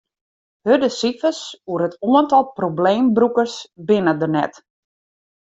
Hurde sifers oer it oantal probleembrûkers binne der net.